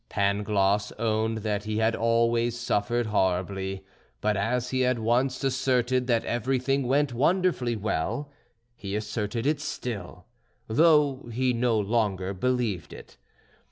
Pangloss owned that he had always suffered horribly, but as he had once asserted that everything went wonderfully well, he asserted it still, though he no longer believed it.